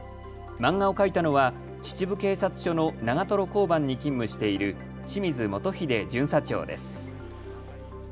漫画を描いたのは秩父警察署の長瀞交番に勤務している清水元英巡査長です。